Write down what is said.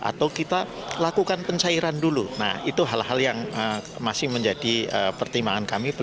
atau kita lakukan pencairan dulu nah itu hal hal yang masih menjadi pertimbangan kami